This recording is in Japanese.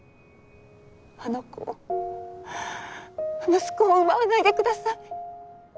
あの子を息子を奪わないでください。